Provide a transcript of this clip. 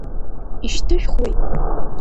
Ишьҭышәхуеи?